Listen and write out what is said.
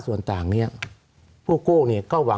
สวัสดีครับทุกคน